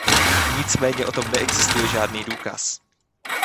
Nicméně o tom neexistuje žádný důkaz.